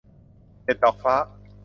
เด็ดดอกฟ้า